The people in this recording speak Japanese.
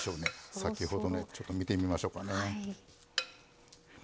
先ほどのやつちょっと見てみましょうかね。